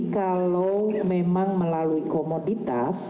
kalau memang melalui komoditas